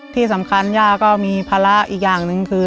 ที่สำคัญย่าก็มีภาระอีกอย่างหนึ่งคือ